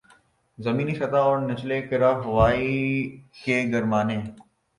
زمینی سطح اور نچلے کرۂ ہوائی کے گرمانے